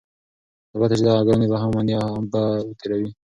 البته چې دغه ګرانی به هم مني او هم به یې تېروي؛